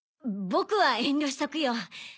僕は遠慮しとくよ。